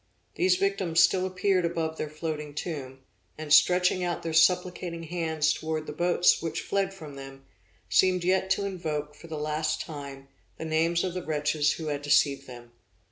These victims still appeared above their floating tomb; and, stretching out their supplicating hands towards the boats which fled from them, seemed yet to invoke, for the last time, the names of the wretches who had deceived them.